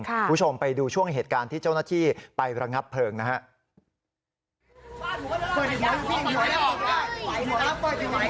คุณผู้ชมไปดูช่วงเหตุการณ์ที่เจ้าหน้าที่ไประงับเพลิงนะครับ